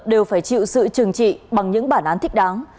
đều phải chịu sự trừng trị bằng những bản án thích đáng